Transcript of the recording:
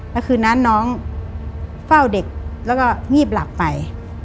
แล้วคืนนั้นน้องเฝ้าเด็กแล้วก็งีบหลับไป